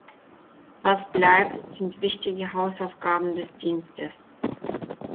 Was bleibt, sind wichtige Hausaufgaben des Dienstes.